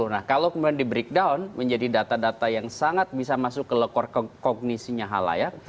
nah kalau kemudian di breakdown menjadi data data yang sangat bisa masuk ke lekor kognisinya halayak